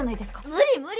無理無理！